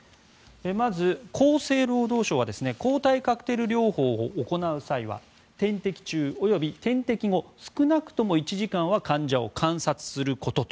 まず、厚生労働省は抗体カクテル療法を行う際は点滴中及び点滴後少なくとも１時間は患者を観察することと。